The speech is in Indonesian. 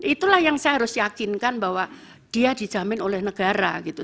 itulah yang saya harus yakinkan bahwa dia dijamin oleh negara gitu